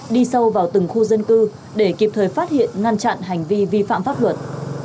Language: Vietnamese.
đi sâu vào từng khu dân cư để kịp thời phát hiện ngăn chặn hành vi vi phạm pháp luật